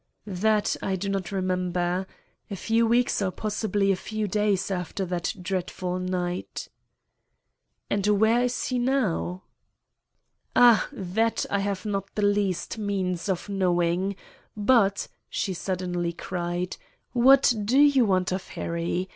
"That I do not remember. A few weeks or possibly a few days after that dreadful night." "And where is he now?" "Ah, that I have not the least means of knowing. But," she suddenly cried, "what do you want of Harry?